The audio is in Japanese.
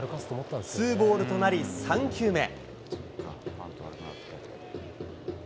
ツーボールとなり、３球目。